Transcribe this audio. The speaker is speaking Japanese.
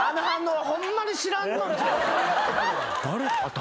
誰？